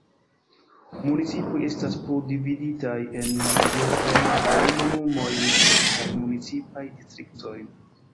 Municipoj estas plu dividitaj en lokajn komunumojn kaj municipaj distriktojn.